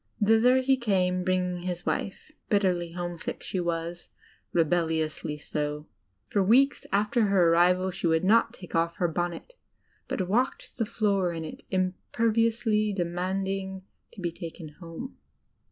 Thither he came, bringing his wife. Bitterly homesick she was — rebel liously so. For weeks after her arrival she would not take off her bonnet, but walked the 6oor in it, imperiously demand ing to be taken home.